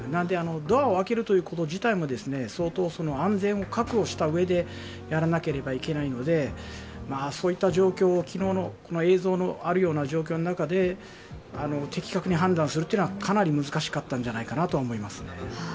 ドアを開けること自体も相当、安全を確保したうえでやらなければいけないので昨日の映像にあるような状況の中で的確に判断するというのはかなり難しかったんじゃないかと思います。